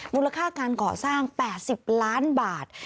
มูลค่าการก่อสร้าง๘๐ล้านบาท